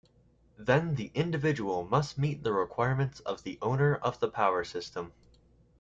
Then the individual must meet the requirements of the owner of the power system.